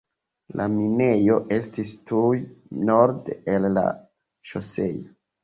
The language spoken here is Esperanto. La minejo estis tuj norde el la ŝoseo.